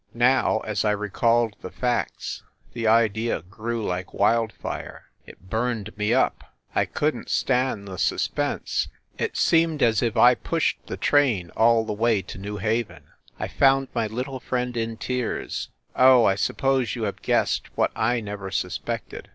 Now, as I recalled the facts, the idea grew like wildfire it burned me up ! I couldn t stand the suspense. It seemed as if I pushed the train all the way to New Haven. I found my little friend in tears. Oh, I suppose you have guessed what I never suspected.